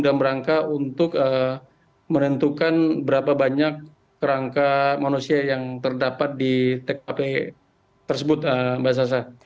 dan berangka untuk merentukan berapa banyak kerangka manusia yang terdapat di tkp tersebut mbak sasa